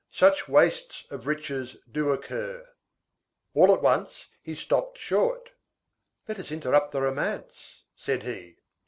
Such wastes of riches do occur. All at once, he stopped short. "Let us interrupt the romance," said he.